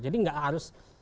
jadi tidak harus